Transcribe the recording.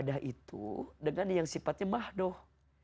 ibadah itu dengan yang sifatnya mahdoh